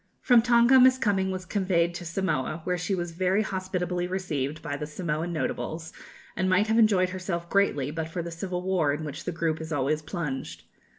From Tonga Miss Cumming was conveyed to Samoa, where she was very hospitably received by the Samoan notables, and might have enjoyed herself greatly, but for the civil war in which the group is always plunged.